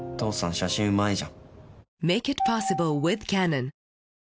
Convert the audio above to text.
写真うまいじゃん。